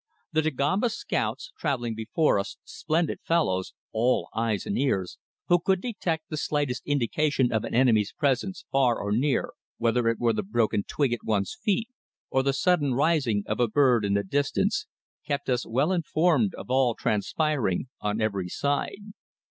The Dagomba scouts, travelling before us, splendid fellows, all eyes and ears, who could detect the slightest indication of an enemy's presence far or near, whether it were the broken twig at one's feet or the sudden rising of a bird in the distance, kept us well informed of all transpiring on every side.